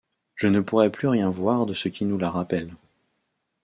Je ne pourrais plus rien voir de ce qui nous la rappelle…